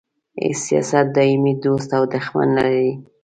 هیڅ سیاست دایمي دوست او دوښمن نه لري.